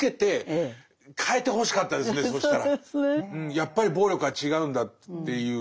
やっぱり暴力は違うんだっていう。